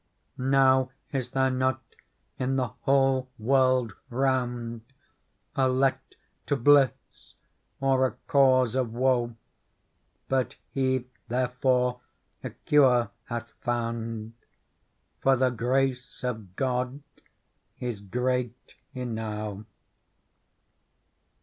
Now is there not in the whole world round A let to bliss or a cause of woe. But He therefor a cure hath found ; For the grace of God is great enow.